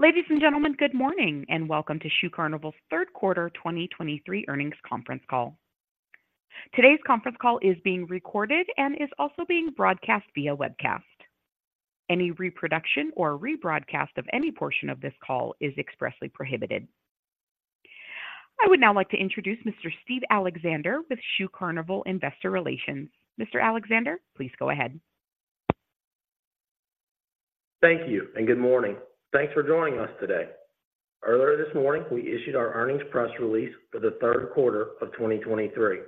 Ladies and gentlemen, good morning, and welcome to Shoe Carnival's third quarter 2023 earnings conference call. Today's conference call is being recorded and is also being broadcast via webcast. Any reproduction or rebroadcast of any portion of this call is expressly prohibited. I would now like to introduce Mr. Steve Alexander with Shoe Carnival Investor Relations. Mr. Alexander, please go ahead. Thank you, and good morning. Thanks for joining us today. Earlier this morning, we issued our earnings press release for the third quarter of 2023.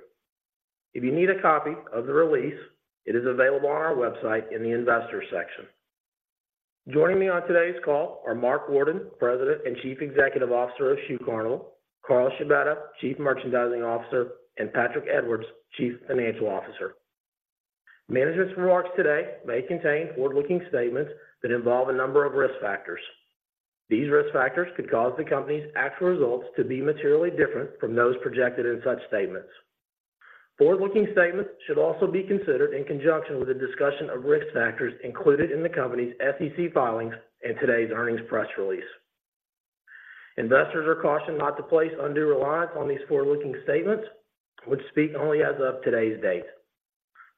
If you need a copy of the release, it is available on our website in the Investors section. Joining me on today's call are Mark Worden, President and Chief Executive Officer of Shoe Carnival; Carl Scibetta, Chief Merchandising Officer; and Patrick Edwards, Chief Financial Officer. Management's remarks today may contain forward-looking statements that involve a number of risk factors. These risk factors could cause the company's actual results to be materially different from those projected in such statements. Forward-looking statements should also be considered in conjunction with a discussion of risk factors included in the company's SEC filings and today's earnings press release. Investors are cautioned not to place undue reliance on these forward-looking statements, which speak only as of today's date.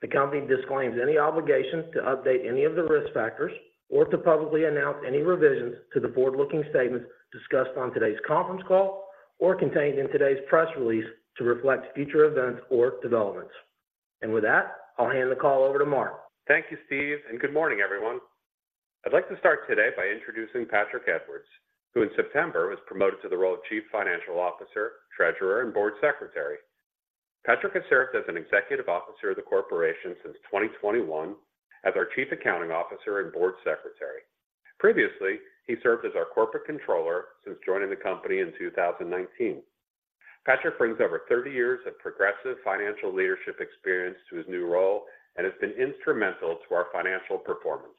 The company disclaims any obligations to update any of the risk factors or to publicly announce any revisions to the forward-looking statements discussed on today's conference call or contained in today's press release to reflect future events or developments. With that, I'll hand the call over to Mark. Thank you, Steve, and good morning, everyone. I'd like to start today by introducing Patrick Edwards, who in September was promoted to the role of Chief Financial Officer, Treasurer, and Board Secretary. Patrick has served as an Executive Officer of the Corporation since 2021 as our Chief Accounting Officer and Board Secretary. Previously, he served as our Corporate Controller since joining the company in 2019. Patrick brings over 30 years of progressive financial leadership experience to his new role and has been instrumental to our financial performance.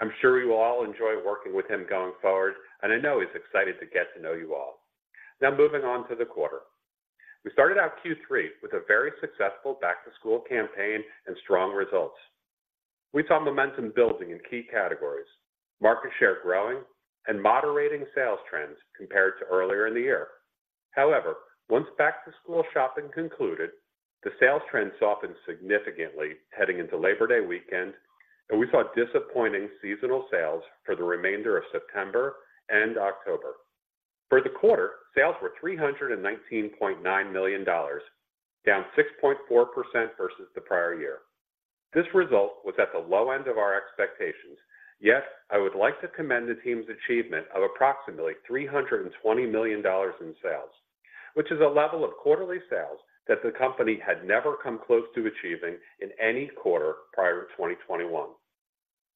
I'm sure you will all enjoy working with him going forward, and I know he's excited to get to know you all. Now, moving on to the quarter. We started out Q3 with a very successful back-to-school campaign and strong results. We saw momentum building in key categories, market share growing and moderating sales trends compared to earlier in the year. However, once back-to-school shopping concluded, the sales trends softened significantly heading into Labor Day weekend, and we saw disappointing seasonal sales for the remainder of September and October. For the quarter, sales were $319.9 million, down 6.4% versus the prior year. This result was at the low end of our expectations, yet I would like to commend the team's achievement of approximately $320 million in sales, which is a level of quarterly sales that the company had never come close to achieving in any quarter prior to 2021.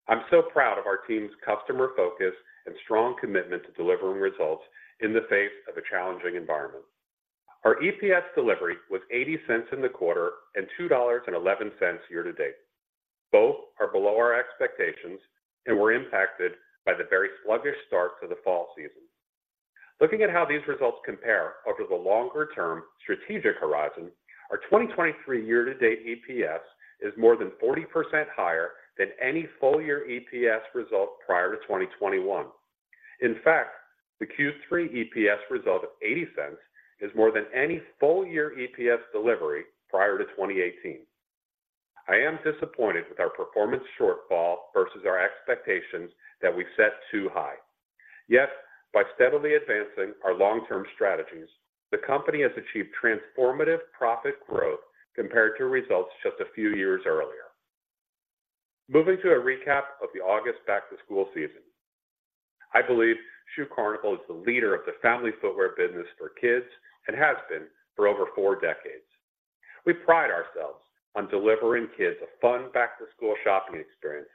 I'm so proud of our team's customer focus and strong commitment to delivering results in the face of a challenging environment. Our EPS delivery was $0.80 in the quarter and $2.11 year to date. Both are below our expectations and were impacted by the very sluggish start to the fall season. Looking at how these results compare over the longer-term strategic horizon, our 2023 year-to-date EPS is more than 40% higher than any full-year EPS result prior to 2021. In fact, the Q3 EPS result of $0.80 is more than any full-year EPS delivery prior to 2018. I am disappointed with our performance shortfall versus our expectations that we set too high. Yet, by steadily advancing our long-term strategies, the company has achieved transformative profit growth compared to results just a few years earlier. Moving to a recap of the August back-to-school season, I believe Shoe Carnival is the leader of the family footwear business for kids and has been for over four decades. We pride ourselves on delivering kids a fun back-to-school shopping experience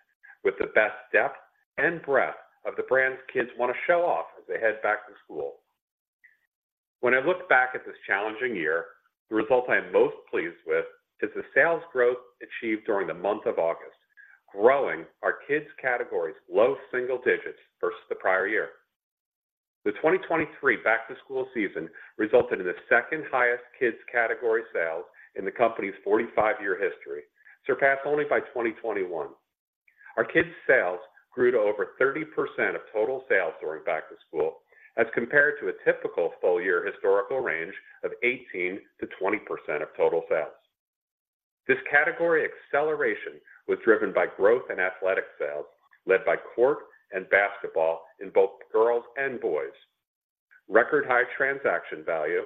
with the best depth and breadth of the brands kids want to show off as they head back to school. When I look back at this challenging year, the result I am most pleased with is the sales growth achieved during the month of August, growing our kids' categories low single digits versus the prior year. The 2023 back-to-school season resulted in the second highest kids' category sales in the company's 45-year history, surpassed only by 2021. Our kids' sales grew to over 30% of total sales during back-to-school, as compared to a typical full-year historical range of 18%-20% of total sales. This category acceleration was driven by growth in athletic sales, led by court and basketball in both girls and boys. Record high transaction value,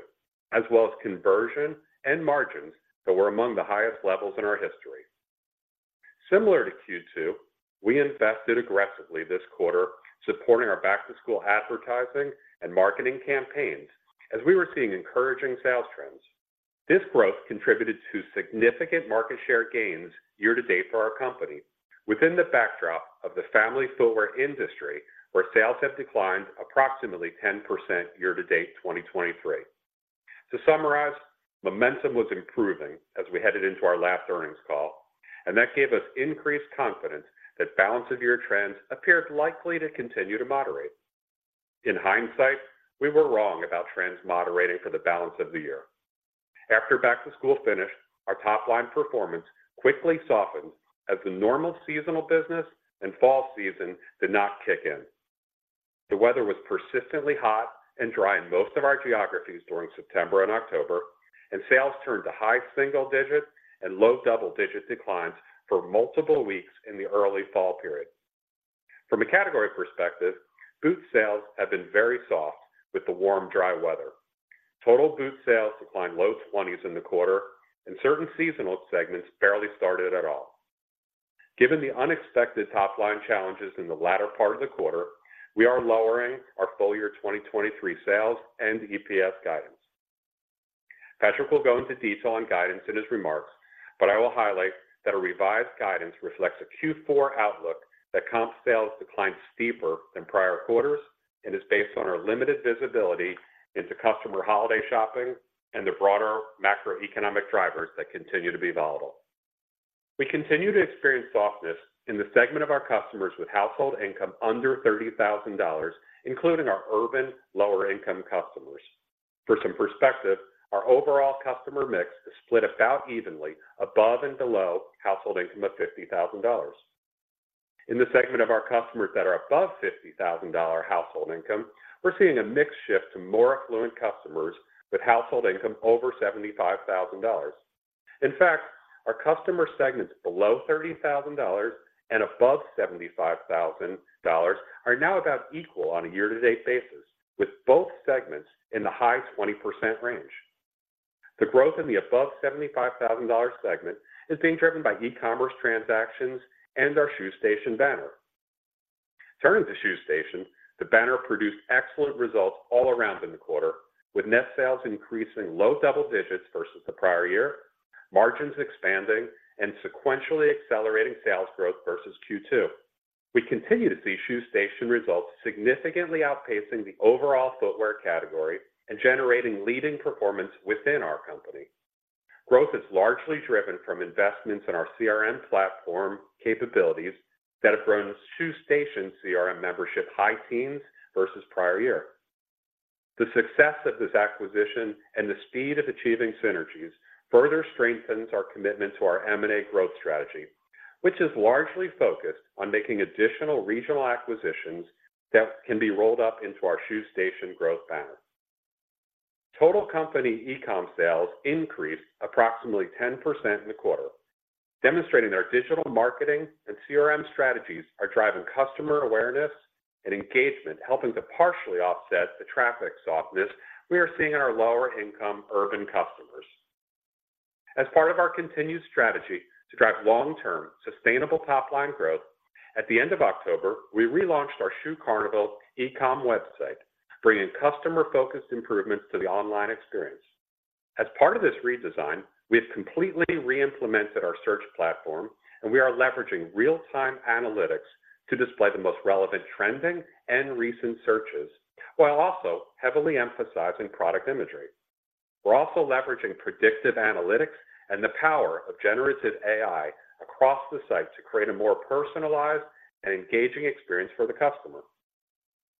as well as conversion and margins that were among the highest levels in our history. Similar to Q2, we invested aggressively this quarter, supporting our back-to-school advertising and marketing campaigns as we were seeing encouraging sales trends. This growth contributed to significant market share gains year to date for our company within the backdrop of the family footwear industry, where sales have declined approximately 10% year-to-date 2023. To summarize, momentum was improving as we headed into our last earnings call, and that gave us increased confidence that balance of year trends appeared likely to continue to moderate. In hindsight, we were wrong about trends moderating for the balance of the year... After back-to-school finished, our top-line performance quickly softened as the normal seasonal business and fall season did not kick in. The weather was persistently hot and dry in most of our geographies during September and October, and sales turned to high single digits and low double-digit declines for multiple weeks in the early fall period. From a category perspective, boot sales have been very soft with the warm, dry weather. Total boot sales declined low 20s in the quarter, and certain seasonal segments barely started at all. Given the unexpected top-line challenges in the latter part of the quarter, we are lowering our full-year 2023 sales and EPS guidance. Patrick will go into detail on guidance in his remarks, but I will highlight that a revised guidance reflects a Q4 outlook that comp sales declined steeper than prior quarters and is based on our limited visibility into customer holiday shopping and the broader macroeconomic drivers that continue to be volatile. We continue to experience softness in the segment of our customers with household income under $30,000, including our urban lower-income customers. For some perspective, our overall customer mix is split about evenly above and below household income of $50,000. In the segment of our customers that are above $50,000 household income, we're seeing a mix shift to more affluent customers with household income over $75,000. In fact, our customer segments below $30,000 and above $75,000 are now about equal on a year-to-date basis, with both segments in the high 20% range. The growth in the above $75,000 segment is being driven by e-commerce transactions and our Shoe Station banner. Turning to Shoe Station, the banner produced excellent results all around in the quarter, with net sales increasing low double digits versus the prior year, margins expanding and sequentially accelerating sales growth versus Q2. We continue to see Shoe Station results significantly outpacing the overall footwear category and generating leading performance within our company. Growth is largely driven from investments in our CRM platform capabilities that have grown Shoe Station CRM membership high teens versus prior year. The success of this acquisition and the speed of achieving synergies further strengthens our commitment to our M&A growth strategy, which is largely focused on making additional regional acquisitions that can be rolled up into our Shoe Station growth banner. Total company e-com sales increased approximately 10% in the quarter, demonstrating our digital marketing and CRM strategies are driving customer awareness and engagement, helping to partially offset the traffic softness we are seeing in our lower-income urban customers. As part of our continued strategy to drive long-term, sustainable top-line growth, at the end of October, we relaunched our Shoe Carnival e-com website, bringing customer-focused improvements to the online experience. As part of this redesign, we have completely re-implemented our search platform, and we are leveraging real-time analytics to display the most relevant, trending, and recent searches, while also heavily emphasizing product imagery. We're also leveraging predictive analytics and the power of Generative AI across the site to create a more personalized and engaging experience for the customer.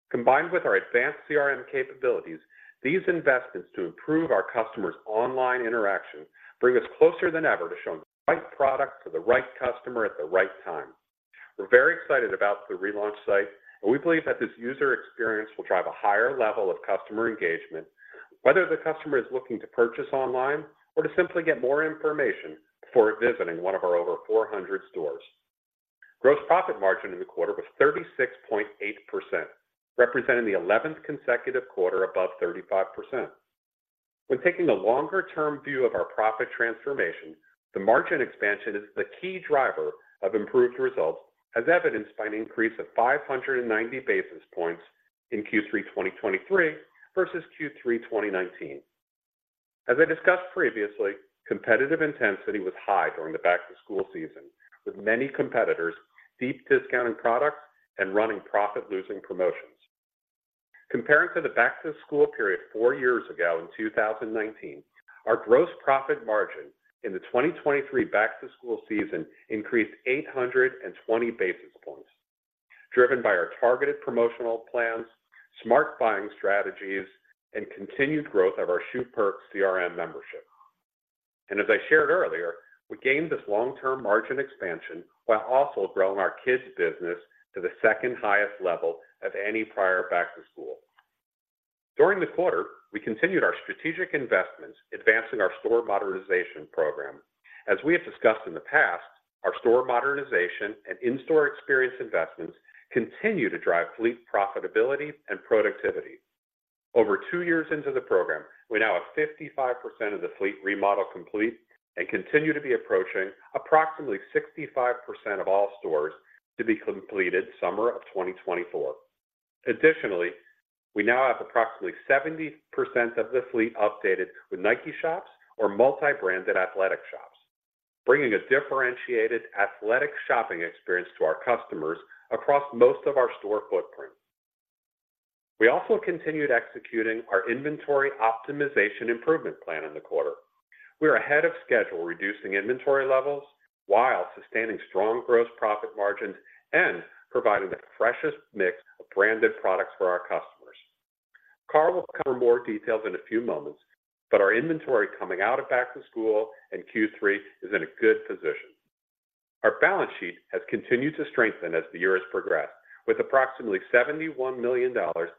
Combined with our advanced CRM capabilities, these investments to improve our customers' online interaction bring us closer than ever to showing the right product to the right customer at the right time. We're very excited about the relaunched site, and we believe that this user experience will drive a higher level of customer engagement, whether the customer is looking to purchase online or to simply get more information before visiting one of our over 400 stores. Gross profit margin in the quarter was 36.8%, representing the 11th consecutive quarter above 35%. When taking a longer-term view of our profit transformation, the margin expansion is the key driver of improved results, as evidenced by an increase of 590 basis points in Q3 2023 versus Q3 2019. As I discussed previously, competitive intensity was high during the back-to-school season, with many competitors deep discounting products and running profit-losing promotions. Comparing to the back-to-school period four years ago in 2019, our gross profit margin in the 2023 back-to-school season increased 820 basis points, driven by our targeted promotional plans, smart buying strategies, and continued growth of our Shoe Perks CRM membership. As I shared earlier, we gained this long-term margin expansion while also growing our kids' business to the second highest level of any prior back to school. During the quarter, we continued our strategic investments, advancing our store modernization program. As we have discussed in the past, our store modernization and in-store experience investments continue to drive fleet profitability and productivity. Over two years into the program, we now have 55% of the fleet remodel complete and continue to be approaching approximately 65% of all stores to be completed summer of 2024. Additionally, we now have approximately 70% of the fleet updated with Nike shops or multi-branded athletic shops, bringing a differentiated athletic shopping experience to our customers across most of our store footprint. We also continued executing our inventory optimization improvement plan in the quarter.... We are ahead of schedule, reducing inventory levels while sustaining strong gross profit margins and providing the freshest mix of branded products for our customers. Carl will cover more details in a few moments, but our inventory coming out of back to school in Q3 is in a good position. Our balance sheet has continued to strengthen as the year has progressed, with approximately $71 million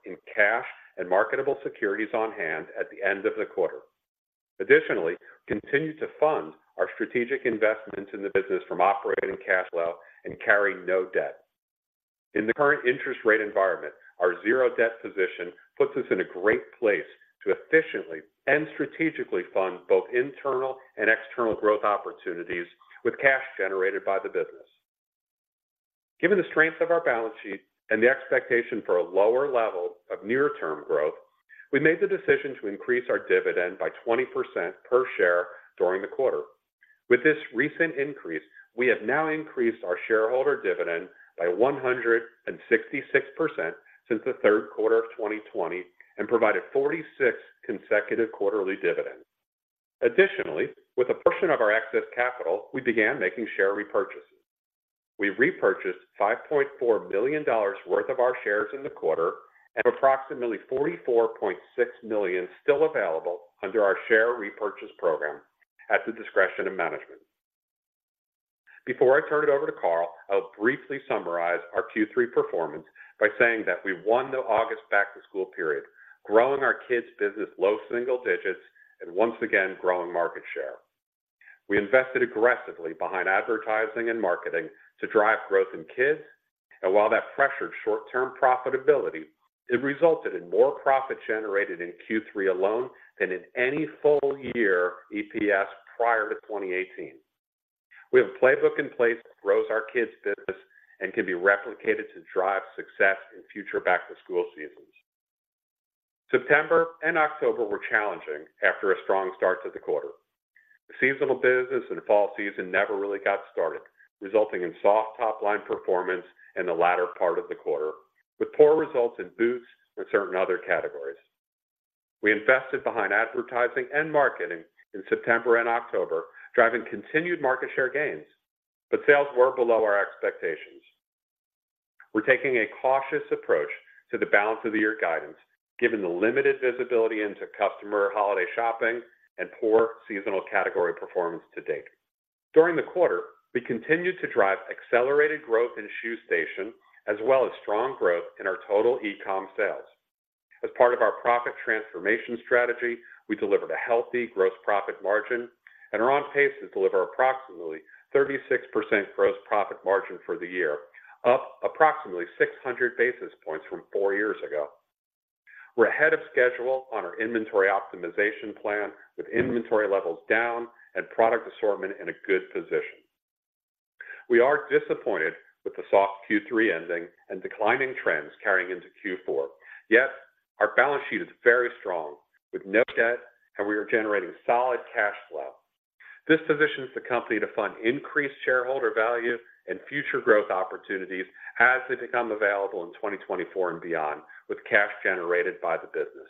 in cash and marketable securities on hand at the end of the quarter. Additionally, we continue to fund our strategic investments in the business from operating cash flow and carrying no debt. In the current interest rate environment, our zero debt position puts us in a great place to efficiently and strategically fund both internal and external growth opportunities with cash generated by the business. Given the strength of our balance sheet and the expectation for a lower level of near-term growth, we made the decision to increase our dividend by 20% per share during the quarter. With this recent increase, we have now increased our shareholder dividend by 166% since the third quarter of 2020, and provided 46 consecutive quarterly dividends. Additionally, with a portion of our excess capital, we began making share repurchases. We repurchased $5.4 million worth of our shares in the quarter, and approximately $44.6 million still available under our share repurchase program at the discretion of management. Before I turn it over to Carl, I'll briefly summarize our Q3 performance by saying that we won the August back to school period, growing our kids business low single digits and once again growing market share. We invested aggressively behind advertising and marketing to drive growth in kids, and while that pressured short-term profitability, it resulted in more profit generated in Q3 alone than in any full year EPS prior to 2018. We have a playbook in place that grows our kids business and can be replicated to drive success in future back-to-school seasons. September and October were challenging after a strong start to the quarter. The seasonal business and fall season never really got started, resulting in soft top-line performance in the latter part of the quarter, with poor results in boots and certain other categories. We invested behind advertising and marketing in September and October, driving continued market share gains, but sales were below our expectations. We're taking a cautious approach to the balance of the year guidance, given the limited visibility into customer holiday shopping and poor seasonal category performance to date. During the quarter, we continued to drive accelerated growth in Shoe Station, as well as strong growth in our total e-com sales. As part of our profit transformation strategy, we delivered a healthy gross profit margin and are on pace to deliver approximately 36% gross profit margin for the year, up approximately 600 basis points from four years ago. We're ahead of schedule on our inventory optimization plan, with inventory levels down and product assortment in a good position. We are disappointed with the soft Q3 ending and declining trends carrying into Q4. Yet, our balance sheet is very strong, with no debt, and we are generating solid cash flow. This positions the company to fund increased shareholder value and future growth opportunities as they become available in 2024 and beyond, with cash generated by the business.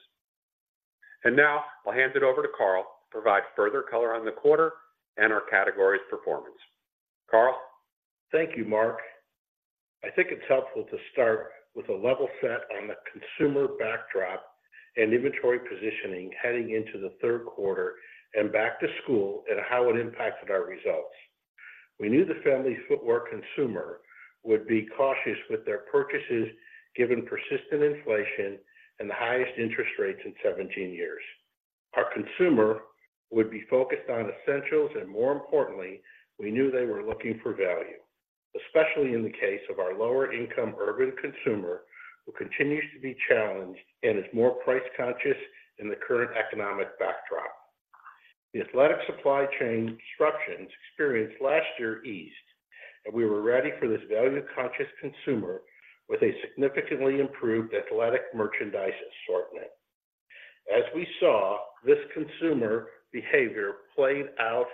And now I'll hand it over to Carl to provide further color on the quarter and our categories performance. Carl? Thank you, Mark. I think it's helpful to start with a level set on the consumer backdrop and inventory positioning heading into the third quarter and back to school, and how it impacted our results. We knew the family footwear consumer would be cautious with their purchases, given persistent inflation and the highest interest rates in 17 years. Our consumer would be focused on essentials, and more importantly, we knew they were looking for value, especially in the case of our lower-income urban consumer, who continues to be challenged and is more price-conscious in the current economic backdrop. The athletic supply chain disruptions experienced last year eased, and we were ready for this value-conscious consumer with a significantly improved athletic merchandise assortment. As we saw, this consumer behavior played out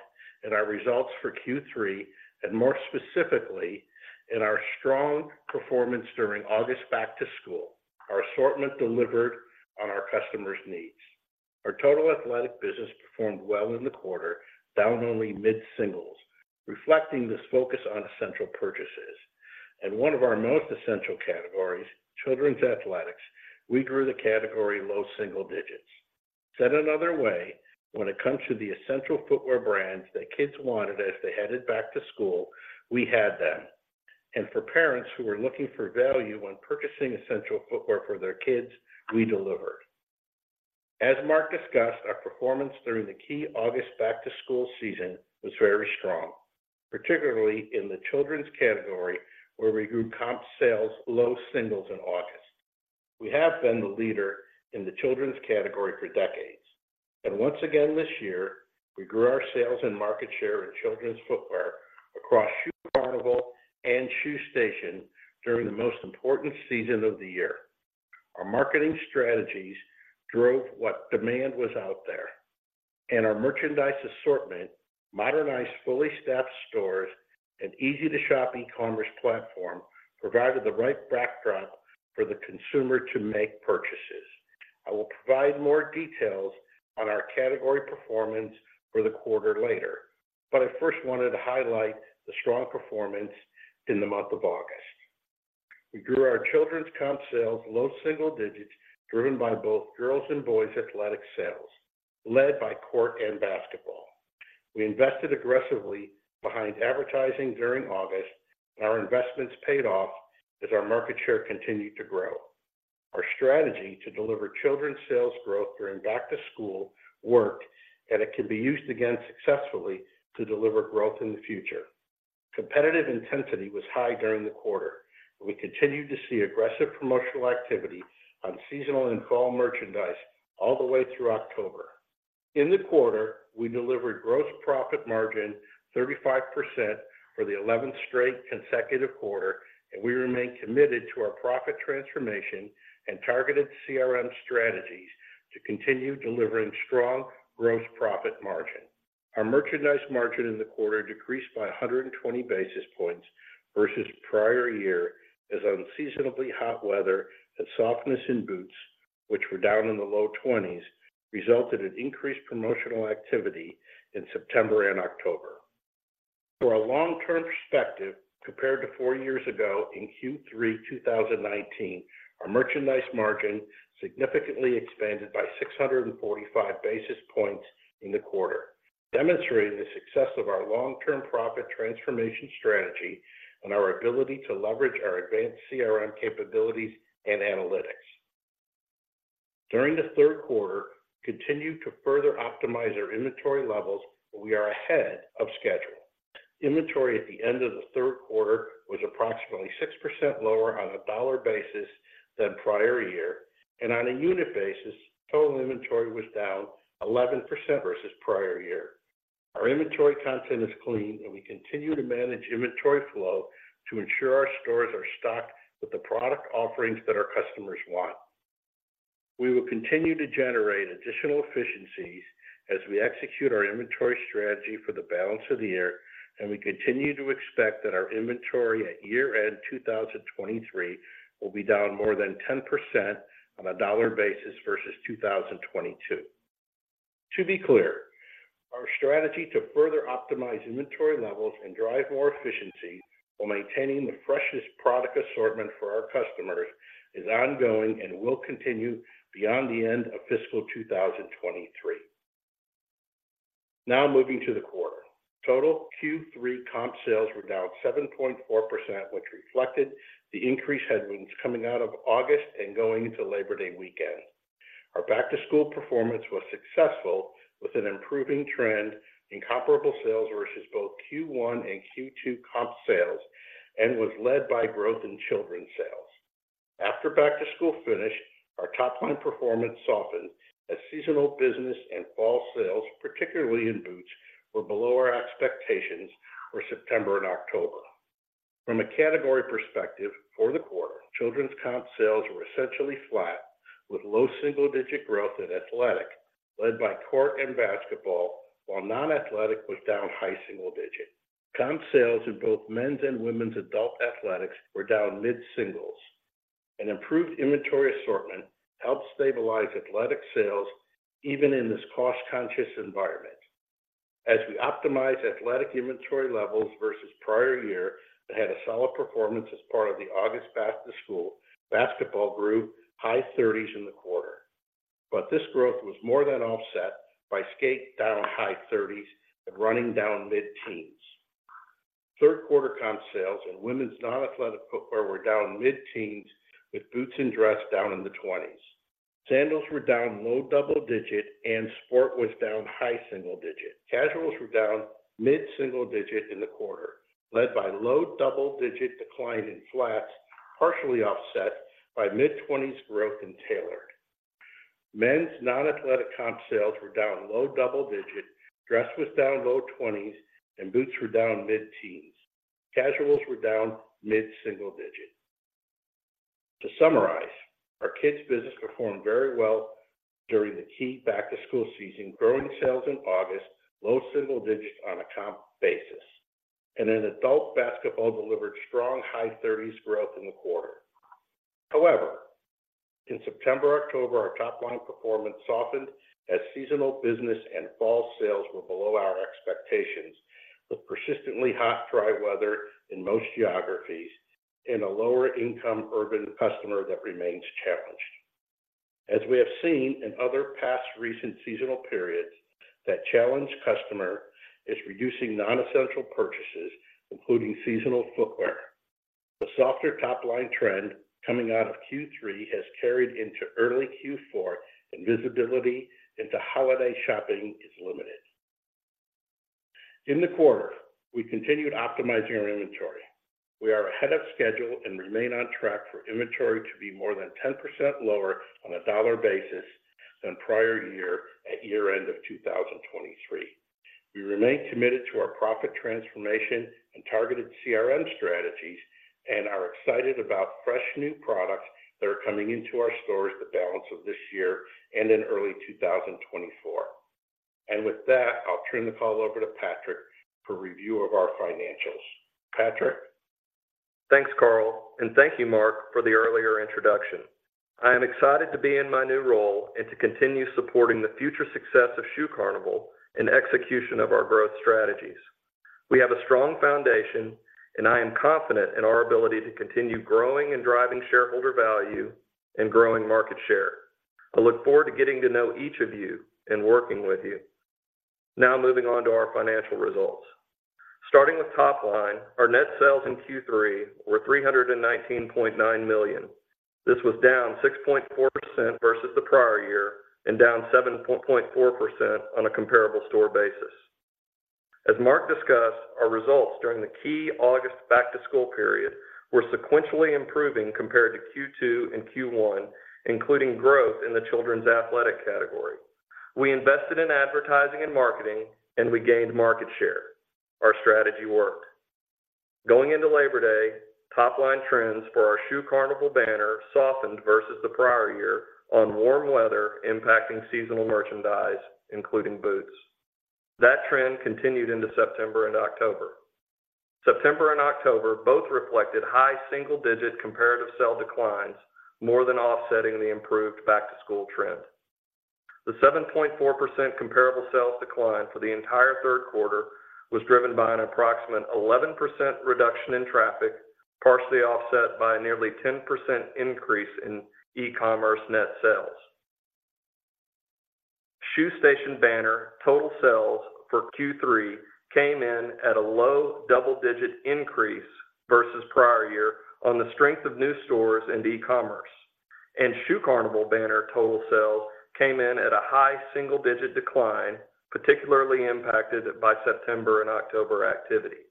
in our results for Q3, and more specifically, in our strong performance during August back to school. Our assortment delivered on our customers' needs. Our total athletic business performed well in the quarter, down only mid-singles, reflecting this focus on essential purchases. One of our most essential categories, children's athletics, we grew the category low single digits. Said another way, when it comes to the essential footwear brands that kids wanted as they headed back to school, we had them. For parents who were looking for value when purchasing essential footwear for their kids, we delivered. As Mark discussed, our performance during the key August back-to-school season was very strong, particularly in the children's category, where we grew comp sales low singles in August. We have been the leader in the children's category for decades, and once again this year, we grew our sales and market share in children's footwear across Shoe Carnival and Shoe Station during the most important season of the year. Our marketing strategies drove what demand was out there, and our merchandise assortment, modernized, fully staffed stores, and easy-to-shop e-commerce platform provided the right backdrop for the consumer to make purchases. I will provide more details on our category performance for the quarter later, but I first wanted to highlight the strong performance in the month of August. We grew our children's comp sales low single digits, driven by both girls' and boys' athletic sales, led by court and basketball. We invested aggressively behind advertising during August, and our investments paid off as our market share continued to grow. Our strategy to deliver children's sales growth during back-to-school worked, and it can be used again successfully to deliver growth in the future. Competitive intensity was high during the quarter. We continued to see aggressive promotional activity on seasonal and fall merchandise all the way through October. In the quarter, we delivered gross profit margin 35% for the 11th straight consecutive quarter, and we remain committed to our profit transformation and targeted CRM strategies to continue delivering strong gross profit margin. Our merchandise margin in the quarter decreased by 120 basis points versus prior year, as unseasonably hot weather and softness in boots, which were down in the low 20s, resulted in increased promotional activity in September and October. For a long-term perspective, compared to four years ago in Q3 2019, our merchandise margin significantly expanded by 645 basis points in the quarter, demonstrating the success of our long-term profit transformation strategy and our ability to leverage our advanced CRM capabilities and analytics. During the third quarter, continued to further optimize our inventory levels, we are ahead of schedule. Inventory at the end of the third quarter was approximately 6% lower on a dollar basis than prior year, and on a unit basis, total inventory was down 11% versus prior year. Our inventory content is clean, and we continue to manage inventory flow to ensure our stores are stocked with the product offerings that our customers want. We will continue to generate additional efficiencies as we execute our inventory strategy for the balance of the year, and we continue to expect that our inventory at year-end 2023 will be down more than 10% on a dollar basis versus 2022. To be clear, our strategy to further optimize inventory levels and drive more efficiency while maintaining the freshest product assortment for our customers is ongoing and will continue beyond the end of fiscal 2023. Now, moving to the quarter. Total Q3 comp sales were down 7.4%, which reflected the increased headwinds coming out of August and going into Labor Day weekend. Our back-to-school performance was successful, with an improving trend in comparable sales versus both Q1 and Q2 comp sales, and was led by growth in children's sales. After back-to-school finished, our top-line performance softened as seasonal business and fall sales, particularly in boots, were below our expectations for September and October. From a category perspective for the quarter, children's comp sales were essentially flat, with low single-digit growth in athletic, led by court and basketball, while non-athletic was down high single-digit. Comp sales in both men's and women's adult athletics were down mid-singles. An improved inventory assortment helped stabilize athletic sales even in this cost-conscious environment. As we optimized athletic inventory levels versus prior year and had a solid performance as part of the August back-to-school, basketball grew high 30s in the quarter. But this growth was more than offset by skate down high 30s and running down mid-teens. Third quarter comp sales in women's non-athletic footwear were down mid-teens, with boots and dress down in the 20s. Sandals were down low double digits, and sport was down high single digits. Casuals were down mid-single digits in the quarter, led by low double-digit decline in flats, partially offset by mid-20s growth in tailored. Men's non-athletic comp sales were down low double digits, dress was down low 20s, and boots were down mid-teens. Casuals were down mid-single digits. To summarize, our kids business performed very well during the key back-to-school season, growing sales in August, low single digits on a comp basis, and then adult basketball delivered strong high thirties growth in the quarter. However, in September, October, our top-line performance softened as seasonal business and fall sales were below our expectations, with persistently hot, dry weather in most geographies and a lower-income urban customer that remains challenged. As we have seen in other past recent seasonal periods, that challenged customer is reducing non-essential purchases, including seasonal footwear. The softer top-line trend coming out of Q3 has carried into early Q4, and visibility into holiday shopping is limited. In the quarter, we continued optimizing our inventory. We are ahead of schedule and remain on track for inventory to be more than 10% lower on a dollar basis than prior year at year-end of 2023. We remain committed to our profit transformation and targeted CRM strategies and are excited about fresh, new products that are coming into our stores the balance of this year and in early 2024.... With that, I'll turn the call over to Patrick for review of our financials. Patrick? Thanks, Carl, and thank you, Mark, for the earlier introduction. I am excited to be in my new role and to continue supporting the future success of Shoe Carnival and execution of our growth strategies. We have a strong foundation, and I am confident in our ability to continue growing and driving shareholder value and growing market share. I look forward to getting to know each of you and working with you. Now, moving on to our financial results. Starting with top line, our net sales in Q3 were $319.9 million. This was down 6.4% versus the prior year and down 7.4% on a comparable store basis. As Mark discussed, our results during the key August back-to-school period were sequentially improving compared to Q2 and Q1, including growth in the children's athletic category. We invested in advertising and marketing, and we gained market share. Our strategy worked. Going into Labor Day, top-line trends for our Shoe Carnival banner softened versus the prior year on warm weather, impacting seasonal merchandise, including boots. That trend continued into September and October. September and October both reflected high single-digit comparable sales declines, more than offsetting the improved back-to-school trend. The 7.4% comparable sales decline for the entire third quarter was driven by an approximate 11% reduction in traffic, partially offset by a nearly 10% increase in e-commerce net sales. Shoe Station banner total sales for Q3 came in at a low double-digit increase versus prior year on the strength of new stores and e-commerce. Shoe Carnival banner total sales came in at a high single-digit decline, particularly impacted by September and October activity.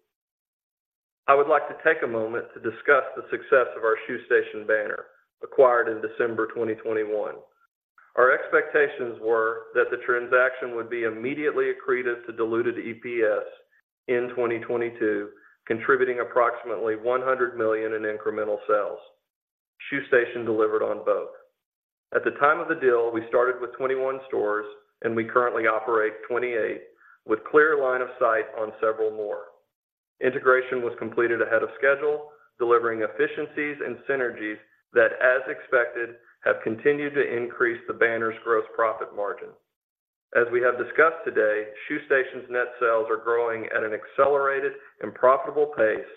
I would like to take a moment to discuss the success of our Shoe Station banner, acquired in December 2021. Our expectations were that the transaction would be immediately accretive to diluted EPS in 2022, contributing approximately $100 million in incremental sales. Shoe Station delivered on both. At the time of the deal, we started with 21 stores, and we currently operate 28, with clear line of sight on several more. Integration was completed ahead of schedule, delivering efficiencies and synergies that, as expected, have continued to increase the banner's gross profit margin. As we have discussed today, Shoe Station's net sales are growing at an accelerated and profitable pace,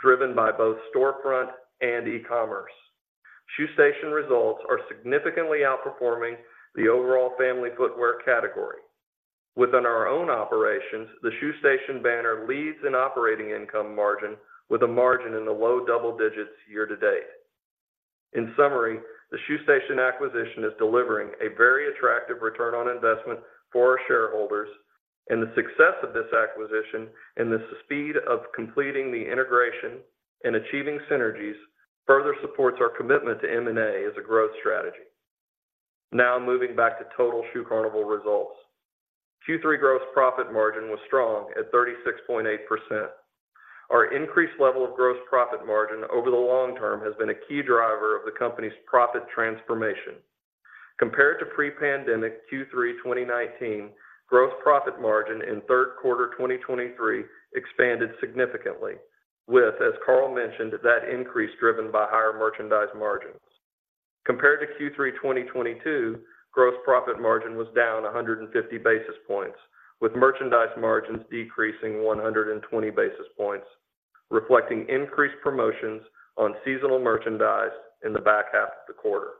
driven by both storefront and e-commerce. Shoe Station results are significantly outperforming the overall family footwear category. Within our own operations, the Shoe Station banner leads in operating income margin with a margin in the low double digits year to date. In summary, the Shoe Station acquisition is delivering a very attractive return on investment for our shareholders, and the success of this acquisition and the speed of completing the integration and achieving synergies further supports our commitment to M&A as a growth strategy. Now, moving back to total Shoe Carnival results. Q3 gross profit margin was strong at 36.8%. Our increased level of gross profit margin over the long term has been a key driver of the company's profit transformation. Compared to pre-pandemic Q3 2019, gross profit margin in third quarter 2023 expanded significantly, with, as Carl mentioned, that increase driven by higher merchandise margins. Compared to Q3 2022, gross profit margin was down 150 basis points, with merchandise margins decreasing 120 basis points, reflecting increased promotions on seasonal merchandise in the back half of the quarter.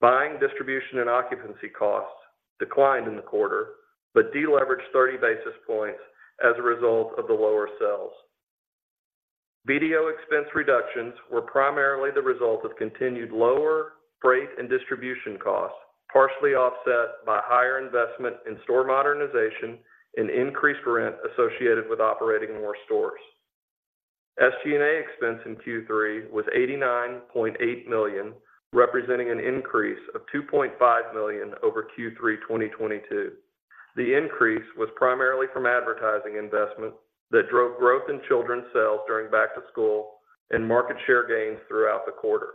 Buying, distribution, and occupancy costs declined in the quarter, but deleveraged 30 basis points as a result of the lower sales. BDO expense reductions were primarily the result of continued lower freight and distribution costs, partially offset by higher investment in store modernization and increased rent associated with operating more stores. SG&A expense in Q3 was $89.8 million, representing an increase of $2.5 million over Q3 2022. The increase was primarily from advertising investment that drove growth in children's sales during back to school and market share gains throughout the quarter.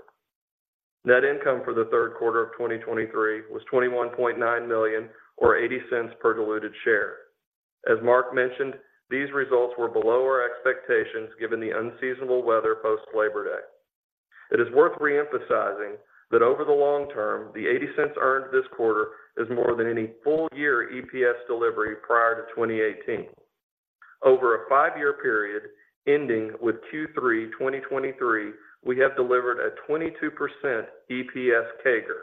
Net income for the third quarter of 2023 was $21.9 million or $0.80 per diluted share. As Mark mentioned, these results were below our expectations, given the unseasonable weather post-Labor Day. It is worth re-emphasizing that over the long term, the $0.80 earned this quarter is more than any full-year EPS delivery prior to 2018. Over a five year period ending with Q3 2023, we have delivered a 22% EPS CAGR.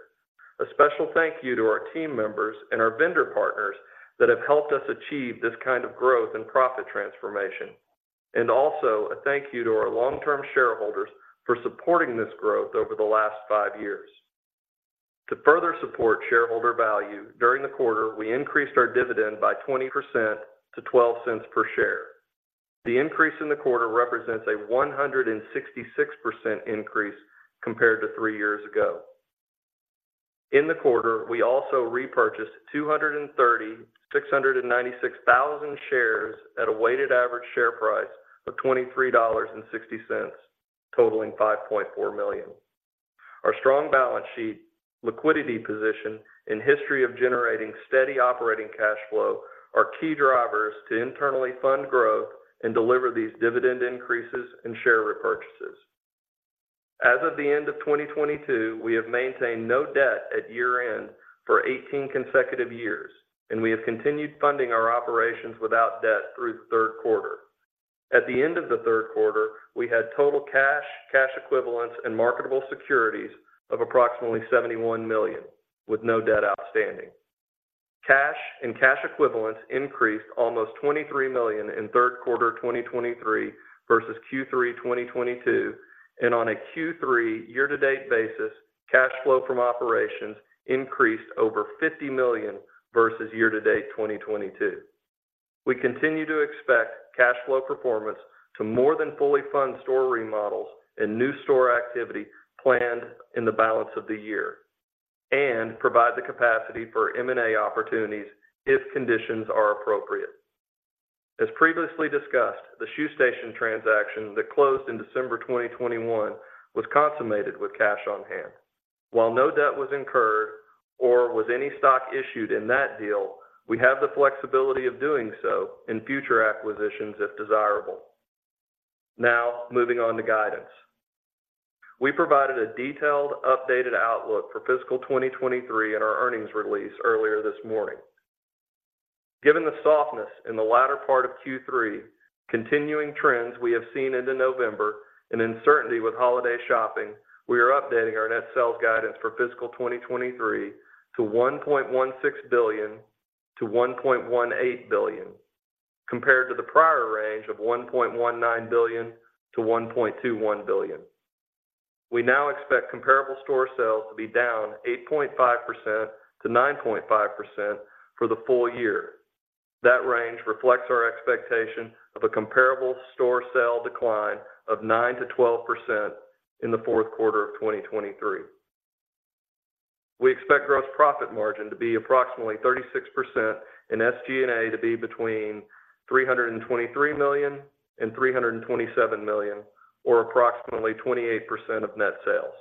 A special thank you to our team members and our vendor partners that have helped us achieve this kind of growth and profit transformation. Also, a thank you to our long-term shareholders for supporting this growth over the last five years. To further support shareholder value, during the quarter, we increased our dividend by 20% to $0.12 per share. The increase in the quarter represents a 166% increase compared to three years ago. In the quarter, we also repurchased 236,696 shares at a weighted average share price of $23.60, totaling $5.4 million. Our strong balance sheet, liquidity position, and history of generating steady operating cash flow are key drivers to internally fund growth and deliver these dividend increases and share repurchases. As of the end of 2022, we have maintained no debt at year-end for 18 consecutive years, and we have continued funding our operations without debt through the third quarter. At the end of the third quarter, we had total cash, cash equivalents, and marketable securities of approximately $71 million, with no debt outstanding. Cash and cash equivalents increased almost $23 million in third quarter 2023 versus Q3 2022, and on a Q3 year-to-date basis, cash flow from operations increased over $50 million versus year-to-date 2022. We continue to expect cash flow performance to more than fully fund store remodels and new store activity planned in the balance of the year, and provide the capacity for M&A opportunities if conditions are appropriate. As previously discussed, the Shoe Station transaction that closed in December 2021 was consummated with cash on hand. While no debt was incurred or was any stock issued in that deal, we have the flexibility of doing so in future acquisitions, if desirable. Now, moving on to guidance. We provided a detailed, updated outlook for fiscal 2023 in our earnings release earlier this morning. Given the softness in the latter part of Q3, continuing trends we have seen into November, and uncertainty with holiday shopping, we are updating our net sales guidance for fiscal 2023 to $1.16 billion-$1.18 billion, compared to the prior range of $1.19 billion-$1.21 billion. We now expect comparable store sales to be down 8.5%-9.5% for the full year. That range reflects our expectation of a comparable store sale decline of 9%-12% in the fourth quarter of 2023. We expect gross profit margin to be approximately 36% and SG&A to be between $323 million and $327 million, or approximately 28% of net sales.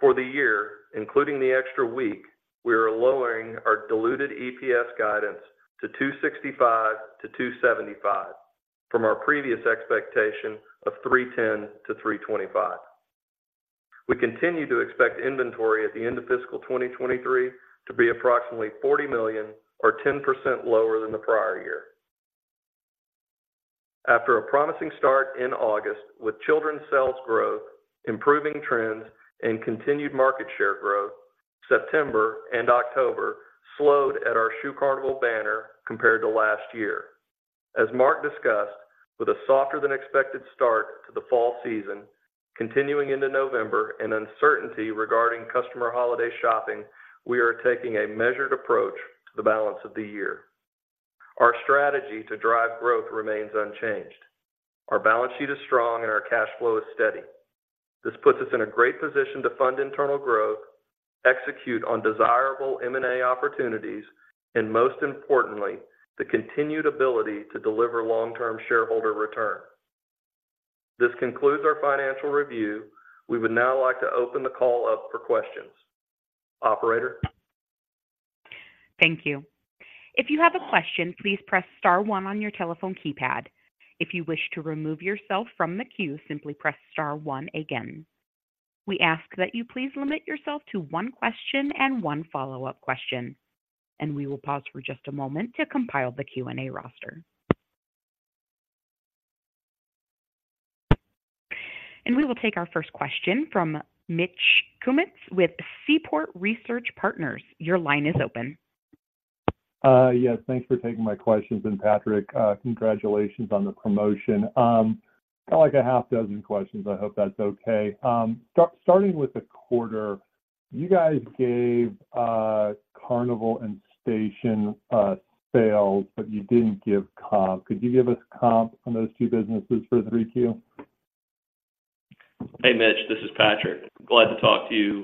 For the year, including the extra week, we are lowering our diluted EPS guidance to 2.65-2.75 from our previous expectation of 3.10-3.25. We continue to expect inventory at the end of fiscal 2023 to be approximately $40 million, or 10% lower than the prior year. After a promising start in August with children's sales growth, improving trends, and continued market share growth, September and October slowed at our Shoe Carnival banner compared to last year. As Mark discussed, with a softer than expected start to the fall season, continuing into November and uncertainty regarding customer holiday shopping, we are taking a measured approach to the balance of the year. Our strategy to drive growth remains unchanged. Our balance sheet is strong, and our cash flow is steady. This puts us in a great position to fund internal growth, execute on desirable M&A opportunities, and most importantly, the continued ability to deliver long-term shareholder return. This concludes our financial review. We would now like to open the call up for questions. Operator? Thank you. If you have a question, please press star one on your telephone keypad. If you wish to remove yourself from the queue, simply press star one again. We ask that you please limit yourself to one question and one follow-up question, and we will pause for just a moment to compile the Q&A roster. We will take our first question from Mitch Kummetz with Seaport Research Partners. Your line is open. Yes, thanks for taking my questions. And, Patrick, congratulations on the promotion. I'd like a half dozen questions. I hope that's okay. Starting with the quarter, you guys gave Carnival and Station sales, but you didn't give comp. Could you give us comp on those two businesses for 3Q? Hey, Mitch, this is Patrick. Glad to talk to you.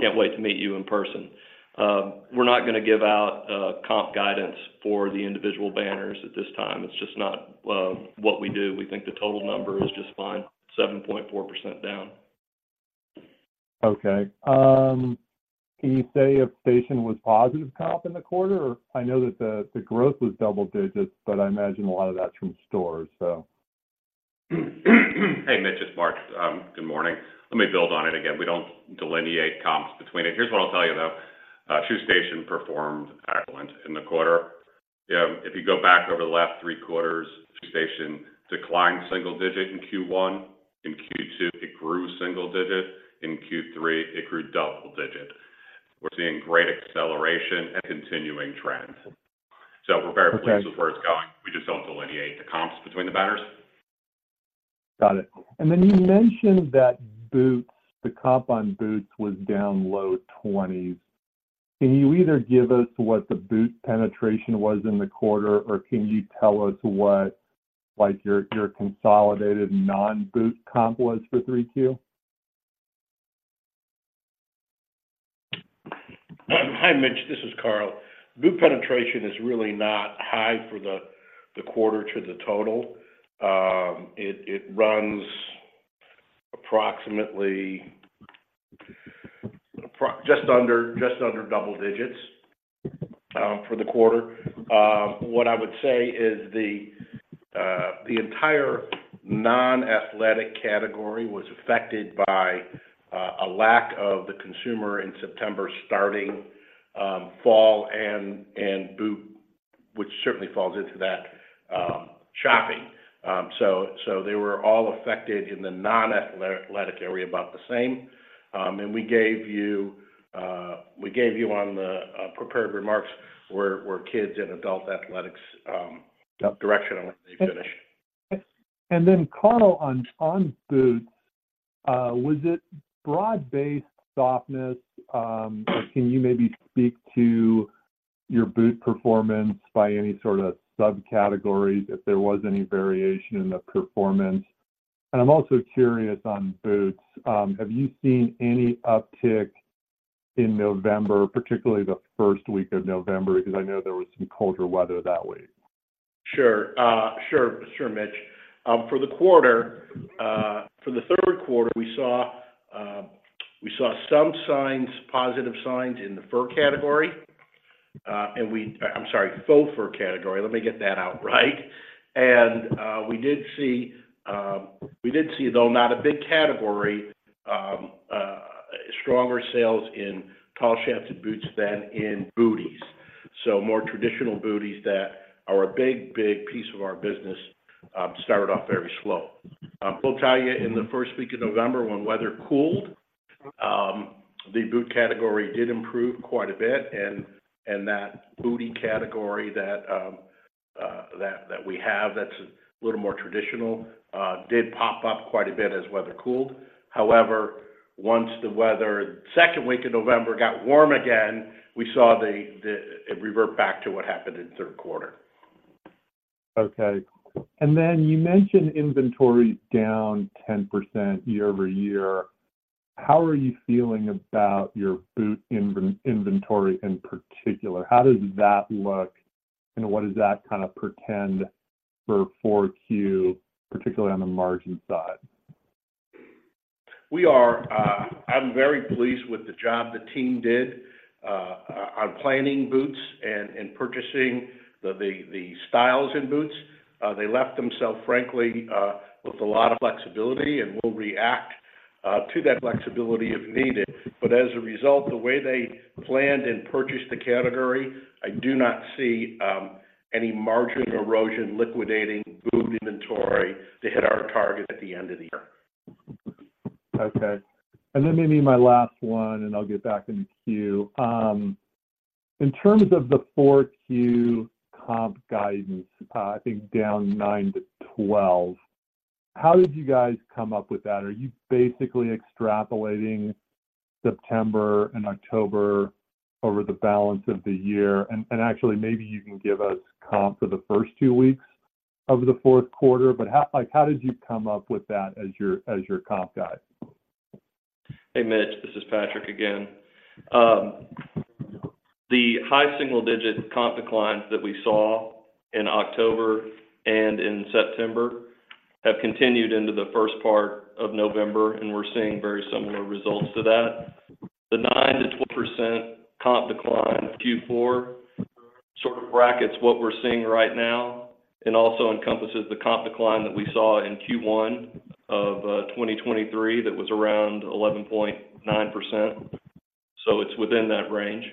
Can't wait to meet you in person. We're not gonna give out comp guidance for the individual banners at this time. It's just not what we do. We think the total number is just fine, 7.4% down. Okay. Can you say if Shoe Station was positive comp in the quarter? I know that the growth was double digits, but I imagine a lot of that's from stores, so... Hey, Mitch, it's Mark. Good morning. Let me build on it again. We don't delineate comps between it. Here's what I'll tell you, though. Shoe Station performed excellent in the quarter. If you go back over the last three quarters, Shoe Station declined single-digit in Q1. In Q2, it grew single-digit. In Q3, it grew double-digit. We're seeing great acceleration and continuing trends. So we're very pleased. Okay. With where it's going. We just don't delineate the comps between the banners. Got it. And then you mentioned that boots, the comp on boots was down low 20s. Can you either give us what the boot penetration was in the quarter, or can you tell us what, like, your, your consolidated non-boot comp was for 3Q? Hi, Mitch. This is Carl. Boot penetration is really not high for the quarter to the total. It runs approximately just under double digits for the quarter. What I would say is the entire non-athletic category was affected by a lack of the consumer in September, starting fall and boot, which certainly falls into that shopping. So they were all affected in the non-athletic area about the same. And we gave you on the prepared remarks, where kids and adult athletics directionally finished. And then, Carl, on boots, was it broad-based softness? Can you maybe speak to your boot performance by any sort of subcategory, if there was any variation in the performance? And I'm also curious on boots, have you seen any uptick in November, particularly the first week of November? Because I know there was some colder weather that way. Sure. Sure, Mitch. For the quarter, for the third quarter, we saw, we saw some signs, positive signs in the fur category. And we... I'm sorry, faux fur category. Let me get that out right. And, we did see, we did see, though not a big category, stronger sales in tall shafts and boots than in booties. So more traditional booties that are a big, big piece of our business, started off very slow. We'll tell you in the first week of November, when weather cooled, the boot category did improve quite a bit, and, and that booties category that, that we have, that's a little more traditional, did pop up quite a bit as weather cooled. However, once the weather, second week of November, got warm again, we saw it revert back to what happened in the third quarter. Okay. And then you mentioned inventory down 10% year-over-year. How are you feeling about your boot inventory in particular? How does that look, and what does that kind of portend for 4Q, particularly on the margin side? I'm very pleased with the job the team did on planning boots and purchasing the styles in boots. They left themselves, frankly, with a lot of flexibility and will react to that flexibility if needed. But as a result, the way they planned and purchased the category, I do not see any margin erosion liquidating boot inventory to hit our target at the end of the year. Okay. And then maybe my last one, and I'll get back in queue. In terms of the 4Q comp guidance, I think down 9%-12%, how did you guys come up with that? Are you basically extrapolating September and October over the balance of the year? And actually, maybe you can give us comp for the first two weeks of the fourth quarter, but how did you come up with that as your comp guide? Hey, Mitch, this is Patrick again. The high single-digit comp declines that we saw in October and in September have continued into the first part of November, and we're seeing very similar results to that. The 9%-12% comp decline Q4 sort of brackets what we're seeing right now and also encompasses the comp decline that we saw in Q1 of 2023. That was around 11.9%, so it's within that range.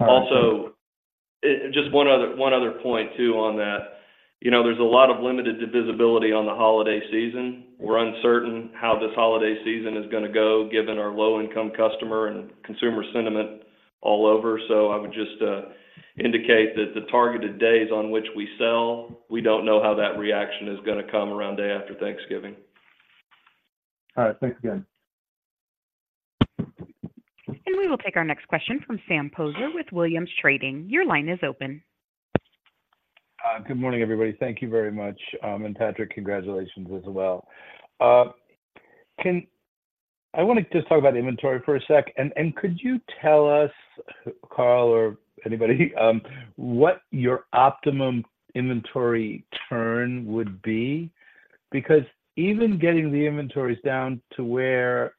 Also, just one other point too on that. You know, there's a lot of limited visibility on the holiday season. We're uncertain how this holiday season is gonna go, given our low-income customer and consumer sentiment all over. So I would just indicate that the targeted days on which we sell, we don't know how that reaction is gonna come around day after Thanksgiving. All right. Thanks again. We will take our next question from Sam Poser with Williams Trading. Your line is open. Good morning, everybody. Thank you very much. And Patrick, congratulations as well. I wanna just talk about inventory for a sec. And could you tell us, Carl or anybody, what your optimum inventory turn would be? Because even getting the inventories down to where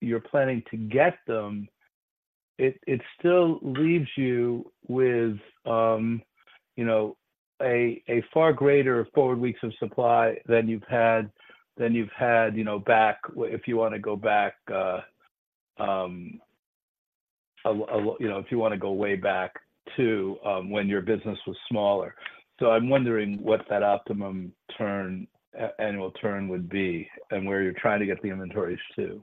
you're planning to get them, it still leaves you with, you know, a far greater forward weeks of supply than you've had than you've had, you know, back, if you wanna go back. You know, if you wanna go way back to when your business was smaller. So I'm wondering what that optimum turn, annual turn would be and where you're trying to get the inventories to.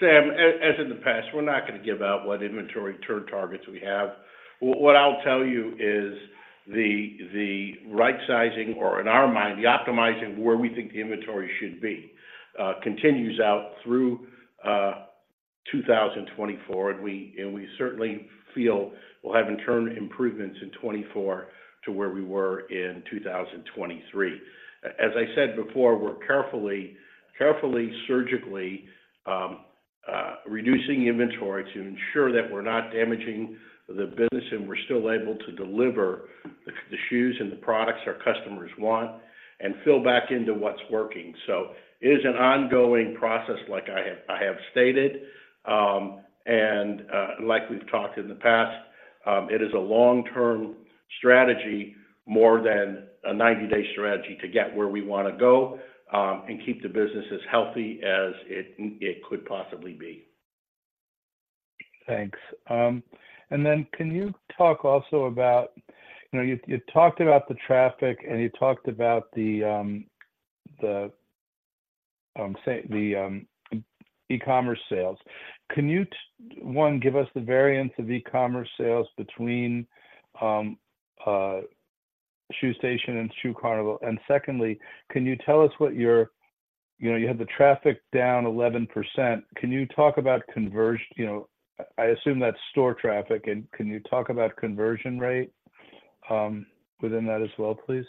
Sam, as in the past, we're not gonna give out what inventory turn targets we have. What I'll tell you is the right sizing or in our mind, the optimizing where we think the inventory should be, continues out through. 2024, and we, and we certainly feel we'll have in turn improvements in 2024 to where we were in 2023. As I said before, we're carefully, carefully, surgically reducing inventory to ensure that we're not damaging the business, and we're still able to deliver the, the shoes and the products our customers want and fill back into what's working. So it is an ongoing process like I have, I have stated. And, like we've talked in the past, it is a long-term strategy more than a 90-day strategy to get where we want to go, and keep the business as healthy as it, it could possibly be. Thanks. And then can you talk also about... You know, you talked about the traffic, and you talked about the e-commerce sales. Can you, one, give us the variance of e-commerce sales between Shoe Station and Shoe Carnival? And secondly, can you tell us what your-- you know, you had the traffic down 11%. Can you talk about conversion? You know, I assume that's store traffic, and can you talk about conversion rate within that as well, please?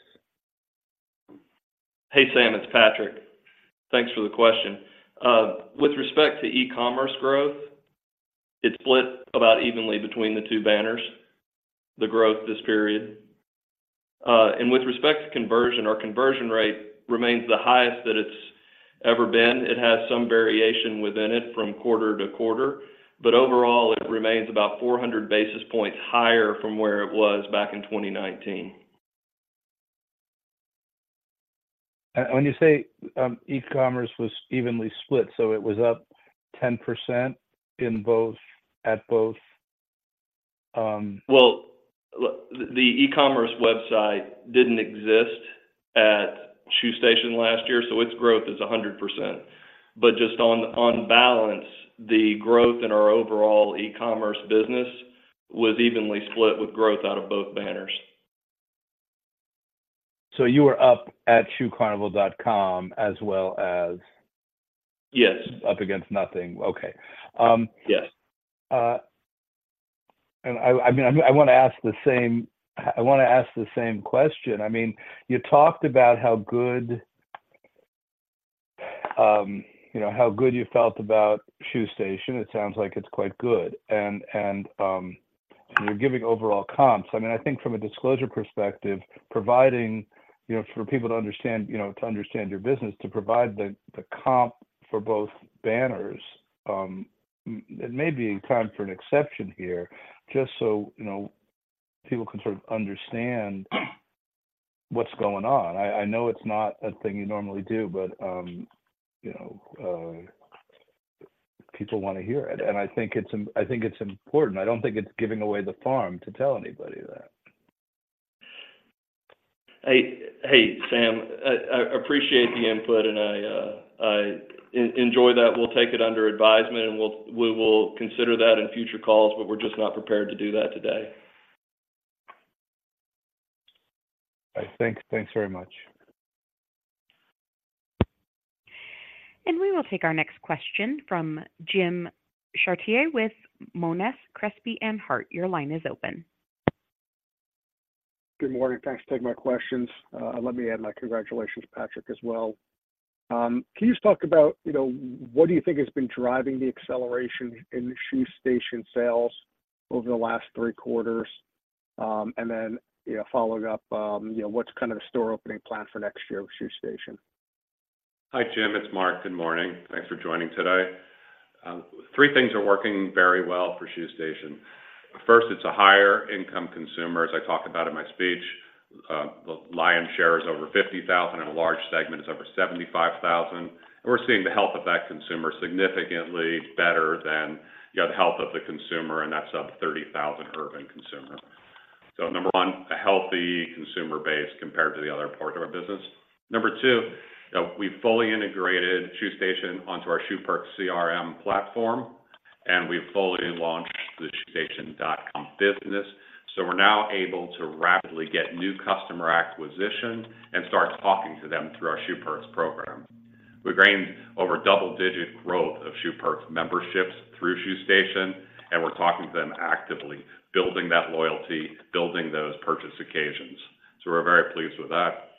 Hey, Sam, it's Patrick. Thanks for the question. With respect to e-commerce growth, it's split about evenly between the two banners, the growth this period. With respect to conversion, our conversion rate remains the highest that it's ever been. It has some variation within it from quarter to quarter, but overall, it remains about 400 basis points higher from where it was back in 2019. When you say, e-commerce was evenly split, so it was up 10% in both, at both, Well, the e-commerce website didn't exist at Shoe Station last year, so its growth is 100%. But just on balance, the growth in our overall e-commerce business was evenly split with growth out of both banners. You were up at ShoeCarnival.com as well as? Yes. Up against nothing. Okay. Yes. And I mean, I want to ask the same question. I mean, you talked about how good, you know, how good you felt about Shoe Station. It sounds like it's quite good, and you're giving overall comps. I mean, I think from a disclosure perspective, providing, you know, for people to understand, you know, to understand your business, to provide the comp for both banners, it may be time for an exception here, just so, you know, people can sort of understand what's going on. I know it's not a thing you normally do, but, you know, people want to hear it, and I think it's important. I don't think it's giving away the farm to tell anybody that. Hey, Sam, I appreciate the input, and I enjoy that. We'll take it under advisement, and we'll consider that in future calls, but we're just not prepared to do that today. All right, thanks. Thanks very much. We will take our next question from Jim Chartier with Monness, Crespi, Hardt. Your line is open. Good morning. Thanks for taking my questions. Let me add my congratulations to Patrick as well. Can you just talk about, you know, what do you think has been driving the acceleration in Shoe Station sales over the last three quarters? And then, you know, following up, you know, what's kind of the store opening plan for next year with Shoe Station? Hi, Jim, it's Mark. Good morning. Thanks for joining today. Three things are working very well for Shoe Station. First, it's a higher-income consumer, as I talked about in my speech. The lion's share is over 50,000, and a large segment is over 75,000. We're seeing the health of that consumer significantly better than, you know, the health of the consumer, and that's a 30,000 urban consumer. Number one, a healthy consumer base compared to the other part of our business. Number two, we've fully integrated Shoe Station onto our Shoe Perks CRM platform, and we've fully launched the ShoeStation.com business. So we're now able to rapidly get new customer acquisition and start talking to them through our Shoe Perks program. We've gained over double-digit growth of Shoe Perks memberships through Shoe Station, and we're talking to them actively, building that loyalty, building those purchase occasions. So we're very pleased with that.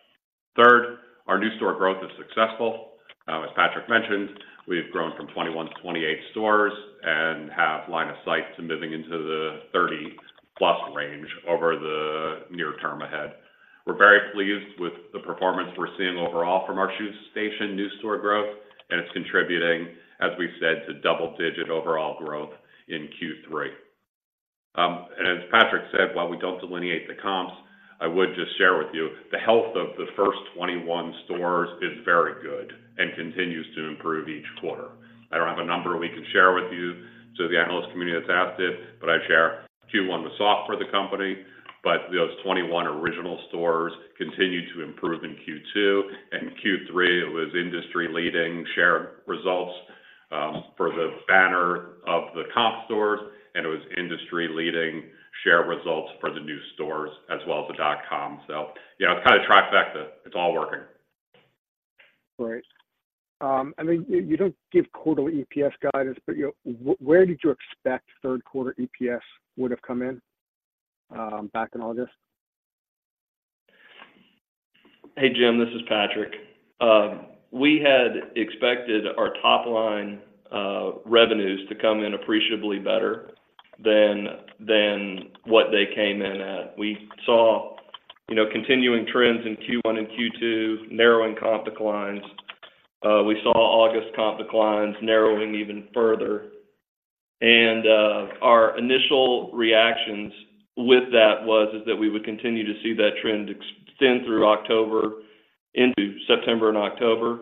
Third, our new store growth is successful. As Patrick mentioned, we've grown from 21-28 stores and have line of sight to moving into the 30 plus range over the near term ahead. We're very pleased with the performance we're seeing overall from our Shoe Station new store growth, and it's contributing, as we've said, to double-digit overall growth in Q3. And as Patrick said, while we don't delineate the comps, I would just share with you the health of the first 21 stores is very good and continues to improve each quarter. I don't have a number we can share with you, so the analyst community has asked it, but I'd share Q1 was soft for the company, but those 21 original stores continued to improve in Q2 and Q3. It was industry-leading share results for the banner of the comp stores, and it was industry-leading share results for the new stores as well as the dot-com. So yeah, it's kind of a trifecta. It's all working. Right. I mean, you, you don't give quarterly EPS guidance, but, you know, where did you expect third quarter EPS would have come in, back in August? Hey, Jim, this is Patrick. We had expected our top line revenues to come in appreciably better than what they came in at. We saw, you know, continuing trends in Q1 and Q2, narrowing comp declines. We saw August comp declines narrowing even further. Our initial reactions with that was that we would continue to see that trend extend through October into September and October,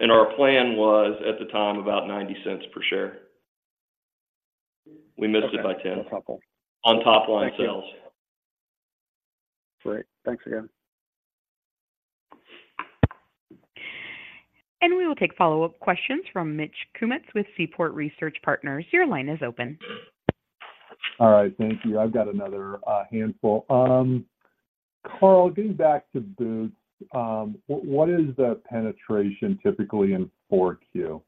and our plan was, at the time, about $0.90 per share. We missed it by 10. Okay, no problem. On top line sales. Great. Thanks again. We will take follow-up questions from Mitch Kummetz with Seaport Research Partners. Your line is open. All right, thank you. I've got another handful. Carl, getting back to boots, what is the penetration typically in 4Q?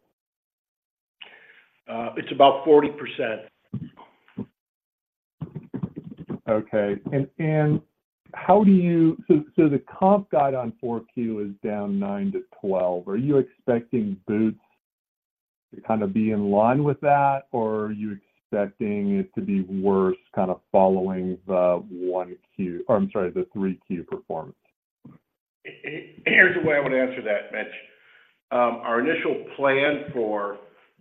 It's about 40%. Okay. How do you, so the comp guide on 4Q is down 9%-12%. Are you expecting boots to kind of be in line with that, or are you expecting it to be worse, kind of following the 1Q... Or, I'm sorry, the 3Q performance? Here's the way I would answer that, Mitch. Our initial plan for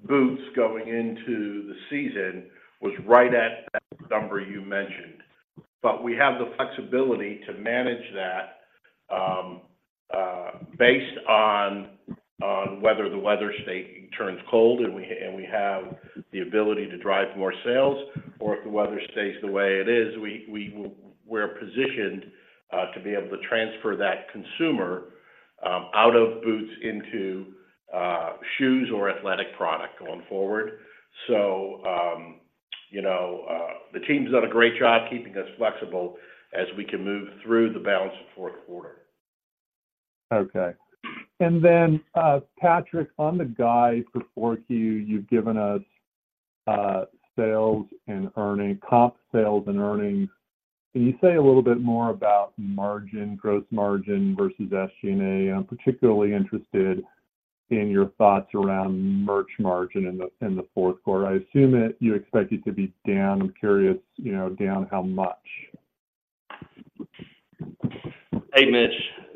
boots going into the season was right at that number you mentioned, but we have the flexibility to manage that based on whether the weather state turns cold, and we have the ability to drive more sales, or if the weather stays the way it is, we will-- we're positioned to be able to transfer that consumer out of boots into shoes or athletic product going forward. So, you know, the team's done a great job keeping us flexible as we can move through the balance of fourth quarter. Okay. Then, Patrick, on the guide for Q4, you've given us sales and earnings, comp sales and earnings. Can you say a little bit more about margin, gross margin versus SG&A? I'm particularly interested in your thoughts around merch margin in the fourth quarter. I assume that you expect it to be down. I'm curious, you know, down how much? Hey, Mitch,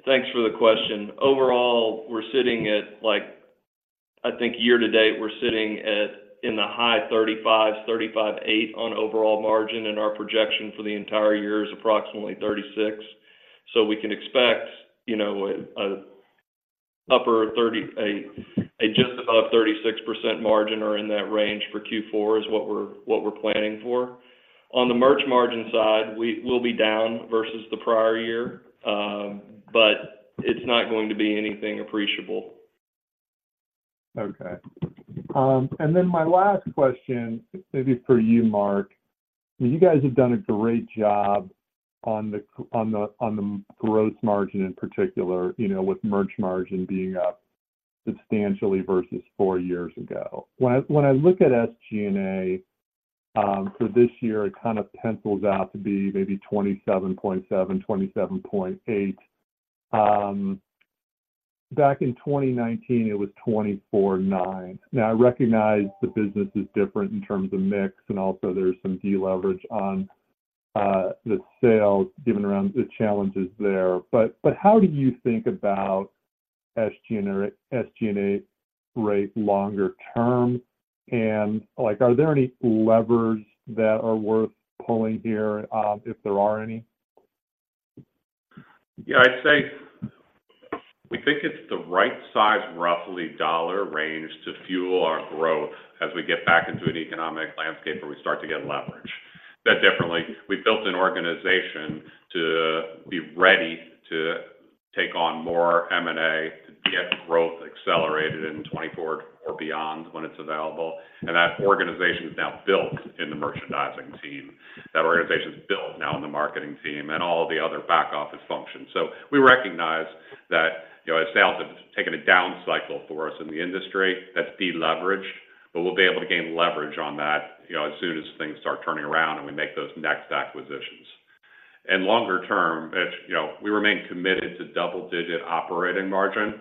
thanks for the question. Overall, we're sitting at, like, I think year to date, we're sitting at in the high 30s, 35.8% on overall margin, and our projection for the entire year is approximately 36%. So we can expect, you know, a just above 36% margin or in that range for Q4 is what we're planning for. On the merch margin side, we will be down versus the prior year, but it's not going to be anything appreciable. Okay. And then my last question, maybe for you, Mark: You guys have done a great job on the gross margin in particular, you know, with merch margin being up substantially versus four years ago. When I look at SG&A for this year, it kind of pencils out to be maybe 27.7%-27.8%. Back in 2019, it was 24.9%. Now, I recognize the business is different in terms of mix, and also there's some deleverage on the sales given around the challenges there. But how do you think about SG&A rate longer term? And, like, are there any levers that are worth pulling here, if there are any? Yeah, I'd say we think it's the right size, roughly dollar range to fuel our growth as we get back into an economic landscape where we start to get leverage. That definitely. We built an organization to be ready to take on more M&A, to get growth accelerated in 2024 or beyond when it's available, and that organization is now built in the merchandising team. That organization is built now in the marketing team and all the other back office functions. So we recognize that, you know, as sales have taken a down cycle for us in the industry, that's deleveraged, but we'll be able to gain leverage on that, you know, as soon as things start turning around and we make those next acquisitions. And longer term, it's you know, we remain committed to double-digit operating margin.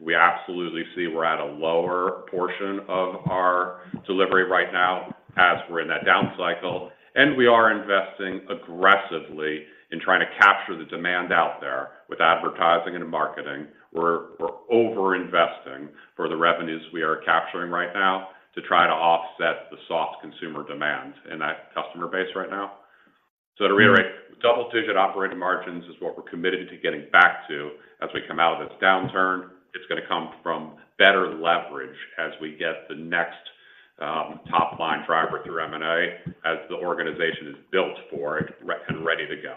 We absolutely see we're at a lower portion of our delivery right now as we're in that down cycle, and we are investing aggressively in trying to capture the demand out there with advertising and marketing. We're, we're over-investing for the revenues we are capturing right now to try to offset the soft consumer demand in that customer base right now. So to reiterate, double-digit operating margins is what we're committed to getting back to as we come out of this downturn. It's gonna come from better leverage as we get the next top-line driver through M&A, as the organization is built for it and ready to go.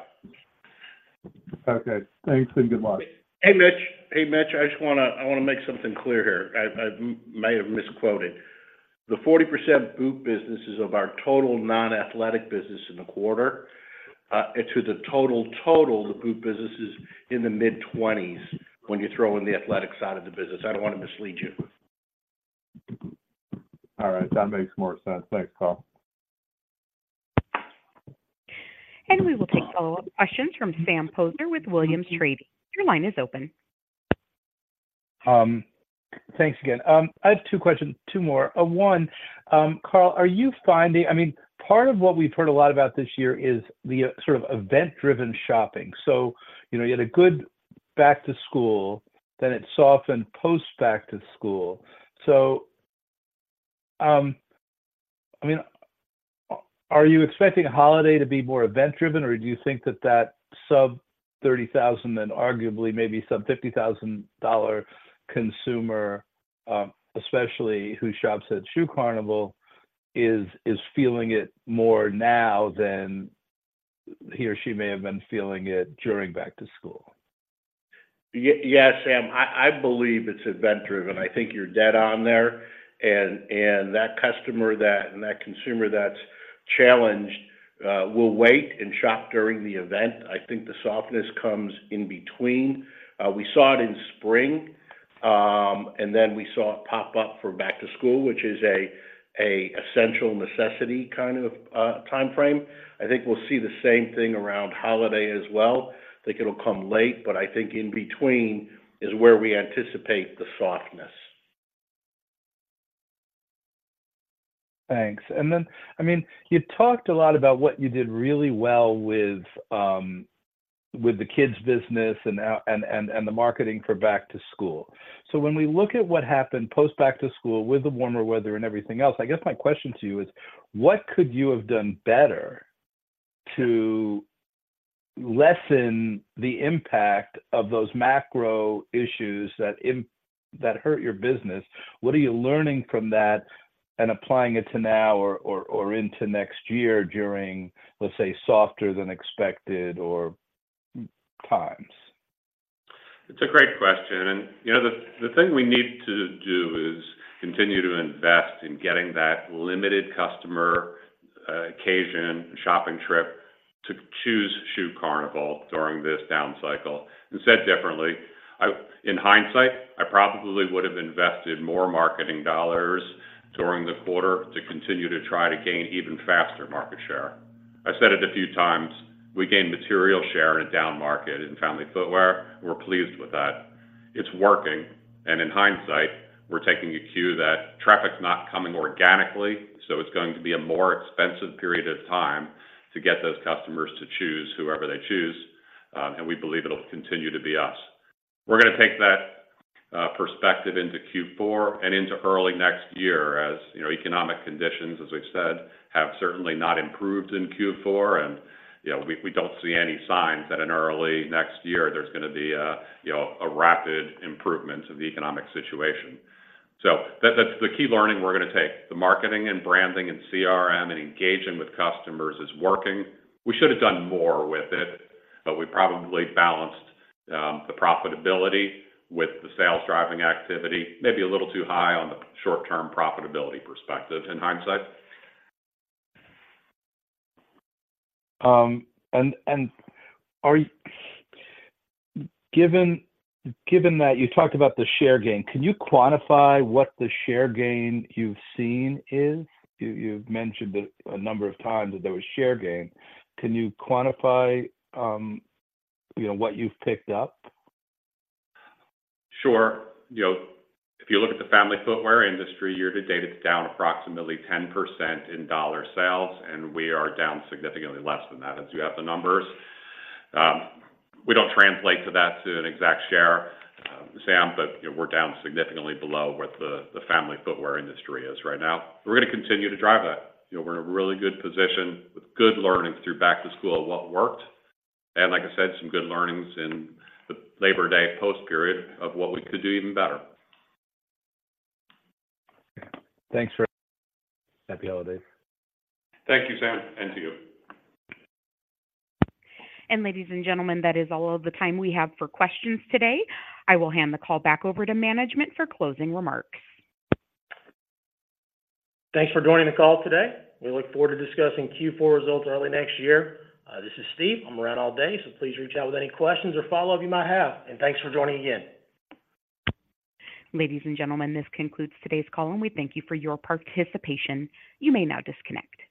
Okay. Thanks, and good luck. Hey, Mitch. Hey, Mitch, I just want to make something clear here. I may have misquoted. The 40% boot business is of our total non-athletic business in the quarter. And to the total, the boot business is in the mid-20s when you throw in the athletic side of the business. I don't want to mislead you. All right, that makes more sense. Thanks, Carl. We will take follow-up questions from Sam Poser with Williams Trading. Your line is open. Thanks again. I have two questions. Two more. One, Carl, are you finding—I mean, part of what we've heard a lot about this year is the sort of event-driven shopping. So, you know, you had a good back to school, then it softened post back to school. So, I mean, are you expecting holiday to be more event-driven, or do you think that that sub-$30,000 and arguably maybe sub-$50,000 consumer, especially who shops at Shoe Carnival, is feeling it more now than he or she may have been feeling it during back to school? Yes, Sam, I believe it's event-driven. I think you're dead on there. And that customer, that consumer that's challenged will wait and shop during the event. I think the softness comes in between. We saw it in spring, and then we saw it pop up for back to school, which is an essential necessity kind of time frame. I think we'll see the same thing around holiday as well. I think it'll come late, but I think in between is where we anticipate the softness. Thanks. And then, I mean, you talked a lot about what you did really well with the kids business and the marketing for back to school. So when we look at what happened post back to school with the warmer weather and everything else, I guess my question to you is, what could you have done better to lessen the impact of those macro issues that hurt your business? What are you learning from that and applying it to now or into next year during, let's say, softer than expected or times? It's a great question, and you know, the thing we need to do is continue to invest in getting that limited customer occasion shopping trip to choose Shoe Carnival during this down cycle. And said differently, in hindsight, I probably would have invested more marketing dollars during the quarter to continue to try to gain even faster market share. I've said it a few times, we gained material share in a down market in family footwear. We're pleased with that. It's working, and in hindsight, we're taking a cue that traffic's not coming organically, so it's going to be a more expensive period of time to get those customers to choose whoever they choose, and we believe it'll continue to be us. We're going to take that perspective into Q4 and into early next year, as you know, economic conditions, as we've said, have certainly not improved in Q4. And, you know, we, we don't see any signs that in early next year there's going to be a, you know, a rapid improvement of the economic situation. So that, that's the key learning we're going to take. The marketing and branding and CRM and engaging with customers is working. We should have done more with it, but we probably balanced the profitability with the sales driving activity, maybe a little too high on the short-term profitability perspective, in hindsight. Given that you talked about the share gain, can you quantify what the share gain you've seen is? You've mentioned it a number of times that there was share gain. Can you quantify, you know, what you've picked up? Sure. You know, if you look at the family footwear industry, year to date, it's down approximately 10% in dollar sales, and we are down significantly less than that, as you have the numbers. We don't translate that to an exact share, Sam, but, you know, we're down significantly below what the family footwear industry is right now. We're going to continue to drive that. You know, we're in a really good position with good learning through back to school, what worked, and like I said, some good learnings in the Labor Day post period of what we could do even better. Thanks for that. Happy holidays. Thank you, Sam, and to you. Ladies and gentlemen, that is all of the time we have for questions today. I will hand the call back over to management for closing remarks. Thanks for joining the call today. We look forward to discussing Q4 results early next year. This is Steve. I'm around all day, so please reach out with any questions or follow-up you might have, and thanks for joining again. Ladies and gentlemen, this concludes today's call, and we thank you for your participation. You may now disconnect.